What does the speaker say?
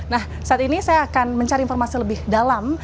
nah saat ini saya akan mencari informasi lebih dalam